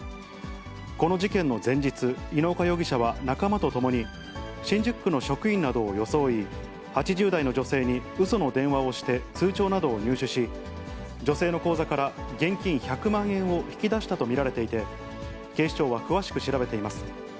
この事件の前日、猪岡容疑者は仲間と共に、新宿区の職員などを装い、８０代の女性にうその電話をして、通帳などを入手し、女性の口座から現金１００万円を引き出したと見られていて、警視庁は詳しく調べています。